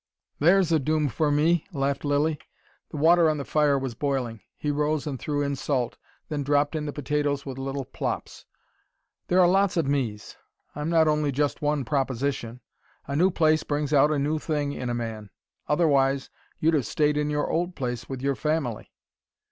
"There's a doom for me," laughed Lilly. The water on the fire was boiling. He rose and threw in salt, then dropped in the potatoes with little plops. "There there are lots of mes. I'm not only just one proposition. A new place brings out a new thing in a man. Otherwise you'd have stayed in your old place with your family."